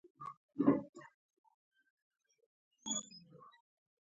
کور د زړونو مینه لري.